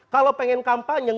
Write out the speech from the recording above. kalau pengen kampanye